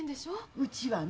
うちはね